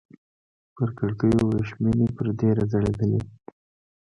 پر کړکيو ورېښمينې پردې راځړېدلې.